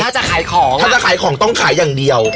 ถ้าจะขายของถ้าจะขายของต้องขายอย่างเดียว